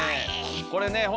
これね